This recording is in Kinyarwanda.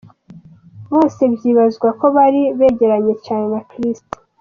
Bose vyibazwa ko bari begereye cane Christie.